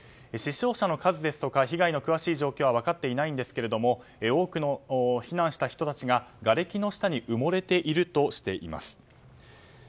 死傷者の数ですとか被害の詳しい状況は分かっていないんですが多くの避難した人たちががれきの下に埋もれているとしています。